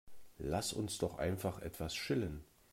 Lass uns doch einfach etwas chillen.